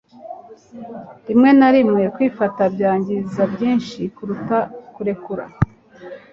rimwe na rimwe kwifata byangiza byinshi kuruta kurekura